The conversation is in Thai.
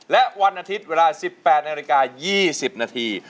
และวันอาทิตย์เวลา๑๘นาฬิกา๒๐นาที